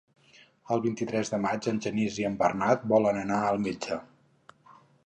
El vint-i-tres de maig en Genís i en Bernat volen anar al metge.